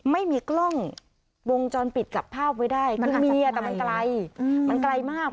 ไม่มีกล้องวงจรปิดจับภาพไว้ได้คือเมียแต่มันไกลมันไกลมาก